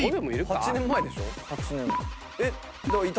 ８年前でしょ？